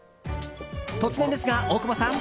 突然ですが、大久保さん！